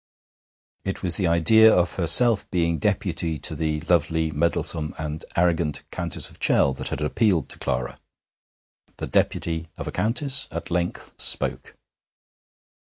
It was the idea of herself being deputy to the lovely, meddlesome, and arrogant Countess of Chell that had appealed to Clara. The deputy of a Countess at length spoke.